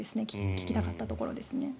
聞きたかったところです。